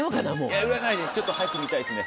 いや売らないでちょっと早く見たいっすね。